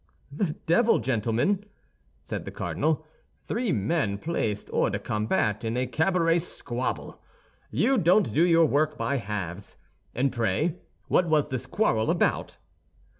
"The devil, gentlemen!" said the cardinal, "three men placed hors de combat in a cabaret squabble! You don't do your work by halves. And pray what was this quarrel about?"